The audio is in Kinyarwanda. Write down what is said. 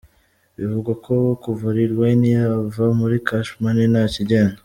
Bivugwa ko kuva Lil Wayne yava muri Cash Money nta kigenda.